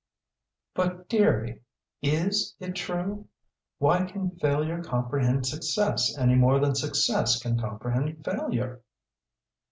"But dearie, is it true? Why can failure comprehend success any more than success can comprehend failure?"